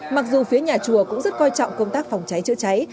mặc dù phía nhà chùa cũng rất coi trọng công tác phòng cháy chữa cháy